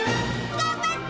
頑張って！